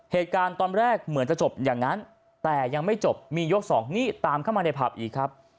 เหตุการณ์ตอนแรกเหมือนจะจบอย่างนั้นแต่ยังไม่จบมียกสองนี่ตามเข้ามาในผับอีกครับ